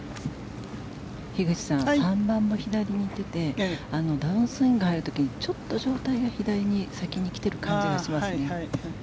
樋口さん３番も左に行っていてダウンスイングに入る時にちょっと上体が左に先に来ている感じがしますね。